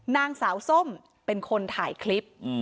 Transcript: นางสาวส้มเป็นคนถ่ายคลิป